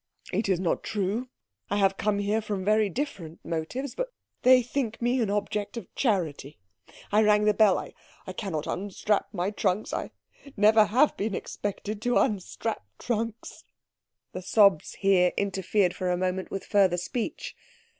"It is not true I have come here from very different motives but they think me an object of charity. I rang the bell I cannot unstrap my trunks I never have been expected to unstrap trunks." The sobs here interfered for a moment with further speech.